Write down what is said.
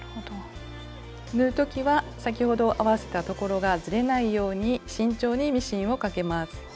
縫う時は先ほど合わせたところがずれないように慎重にミシンをかけます。